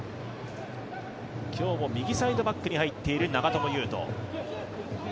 今日も右サイドバックに入っている長友佑都。